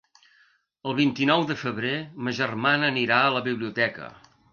El vint-i-nou de febrer ma germana anirà a la biblioteca.